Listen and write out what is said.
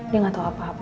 dia gak tau apa apa